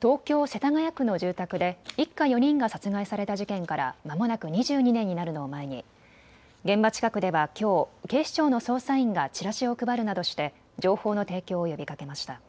東京世田谷区の住宅で一家４人が殺害された事件からまもなく２２年になるのを前に現場近くではきょう、警視庁の捜査員がチラシを配るなどして情報の提供を呼びかけました。